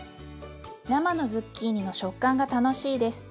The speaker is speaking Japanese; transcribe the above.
生のズッキーニの食感が楽しいです。